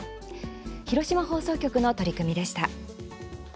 広島放送局の取り組みでした。